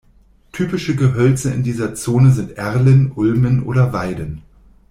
Typische Gehölze in dieser Zone sind Erlen, Ulmen oder Weiden.